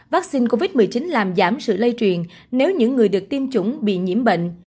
vaccine covid một mươi chín làm giảm sự lây truyền nếu những người được tiêm chủng bị nhiễm bệnh